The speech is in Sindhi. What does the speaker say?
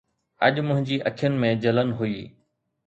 اڄ منهنجي اکين ۾ جلن هئي